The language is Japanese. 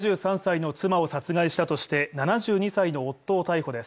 ７３歳の妻を殺害したとして７２歳の夫を逮捕です。